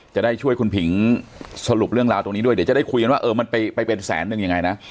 จะได้ช่วยคุณผิงสรุปเรื่องราวตรงนี้ด้วยเดี๋ยวจะได้คุยกันว่าเออมันไปเป็นแสนนึงยังไงนะ